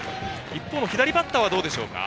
一方の左バッターはどうでしょうか？